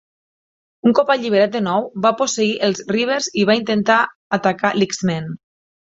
Un cop alliberat de nou, va posseir els Reavers i va intentar atacar l"X-Men.